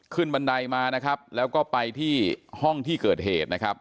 บันไดมานะครับแล้วก็ไปที่ห้องที่เกิดเหตุนะครับ